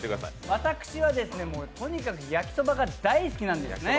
私は、とにかく焼きそばが大好きなんですね。